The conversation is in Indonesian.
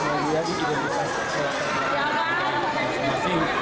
menjadi identitas kecelakaan masing masing